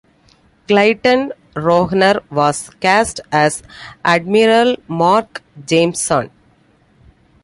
Clayton Rohner was cast as Admiral Mark Jameson.